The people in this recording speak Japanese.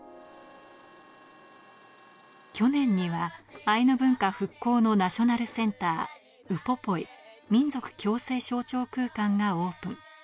去年にはアイヌ文化復興のナショナルセンター、ウポポイ・民族共生象徴空間がオープン。